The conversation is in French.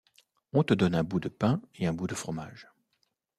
On te donne un bout de pain et un bout de fromage.